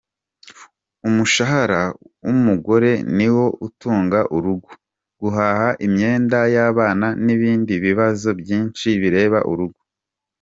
Umushahara wumugore niwo utunga urugo! Guhaha, imyenda yabana nibindi bibazo byinshi bireba urugo.